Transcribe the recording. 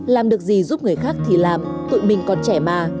làm được gì giúp người khác thì làm tụi mình còn trẻ mà